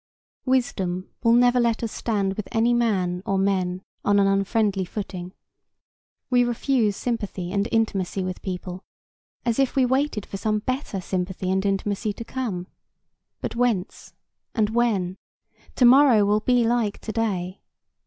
Wisdom will never let us stand with any man or men on an unfriendly footing. We refuse sympathy and intimacy with people, as if we waited for some better sympathy and intimacy to come. But whence and when? To morrow will be like to day.